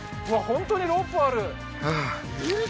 本当にロープあるえっ？